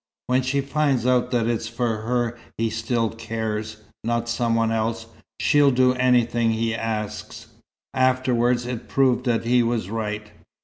When she finds out that it's for her he still cares, not some one else, she'll do anything he asks." Afterwards it proved that he was right.